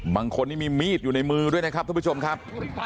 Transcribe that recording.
บางคนนี่มีมีดอยู่ในมือด้วยนะครับทุกผู้ชมครับ